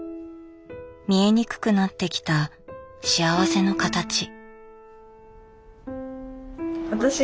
見えにくくなってきた幸せのかたち。